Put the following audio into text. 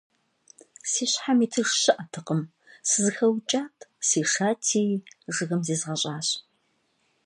Си щхьэм итыж щыӀэтэкъым, сызэхэукӀат, сешати, жыгым зезгъэщӀащ.